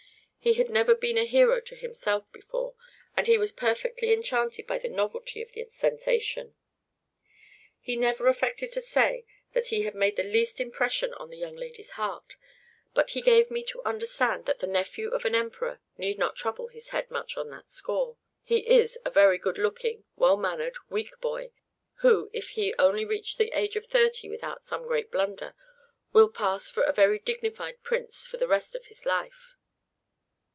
He had never been a hero to himself before, and he was perfectly enchanted by the novelty of the sensation. He never affected to say that he had made the least impression on the young lady's heart; but he gave me to understand that the nephew of an Emperor need not trouble his head much on that score. He is a very good looking, well mannered, weak boy, who, if he only reach the age of thirty without some great blunder, will pass for a very dignified Prince for the rest of his life."